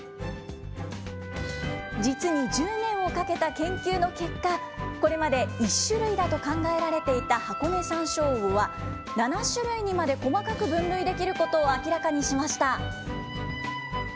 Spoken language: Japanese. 実に１０年をかけた研究の結果、これまで１種類だと考えられていたハコネサンショウウオは、７種類にまで細かく分類できることを明らかにしました。